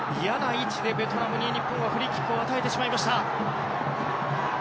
嫌な位置でベトナムに、日本はフリーキックを与えてしまいました。